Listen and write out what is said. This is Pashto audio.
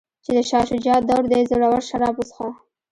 چې د شاه شجاع دور دی زړور شراب وڅښه.